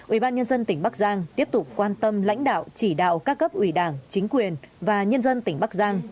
ubnd tỉnh bắc giang tiếp tục quan tâm lãnh đạo chỉ đạo các cấp ủy đảng chính quyền và nhân dân tỉnh bắc giang